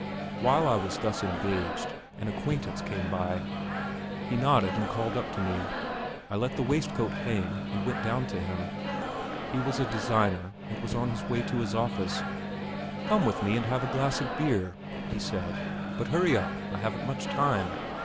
While I was thus engaged an acquaintance came by; he nodded and called up to me. I let the waistcoat hang and went down to him. He was a designer, and was on the way to his office. "Come with me and have a glass of beer," he said. "But hurry up, I haven't much time....